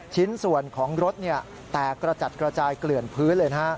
ชิ้นส่วนของรถแตกกระจัดกระจายเกลื่อนพื้นเลยนะฮะ